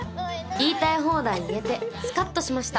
［言いたい放題言えてスカッとしました］